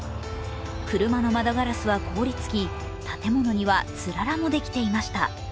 車の窓ガラスは凍りつき建物にはつららもできていました。